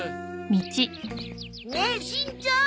ねえしんちゃん